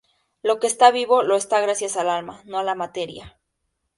Lo que está vivo, lo está gracias al alma, no a la materia.